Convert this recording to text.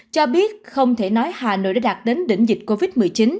cho biết không thể nói hà nội đã đạt đến đỉnh dịch covid một mươi chín